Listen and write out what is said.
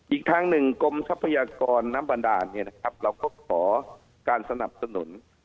อีกทางหนึ่งกรมทรัพยากรน้ำบันดาลเราก็ขอการสนับสนุน